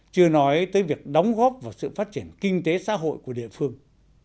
chưa nói tới việc đóng góp vào sự phát triển kinh tế xã hội của địa phương